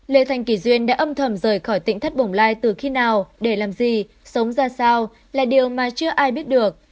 lê thanh kỳ duyên đã âm thầm rời khỏi tỉnh thất bồng lai từ khi nào để làm gì sống ra sao là điều mà chưa ai biết được